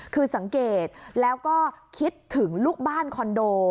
คือสังเกตแล้วก็คิดถึงลูกบ้านคอนโด